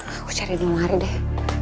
aku cari di lari deh